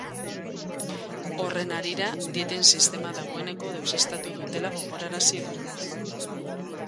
Horren harira, dieten sistema dagoeneko deuseztatu dutela gogorarazi du.